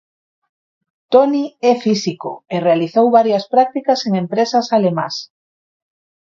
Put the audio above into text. Toni é físico e realizou varias prácticas en empresas alemás.